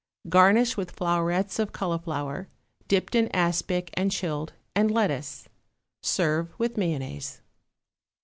Garnish with flowerets of cauliflower, dipped in aspic and chilled, and lettuce. Serve with mayonnaise.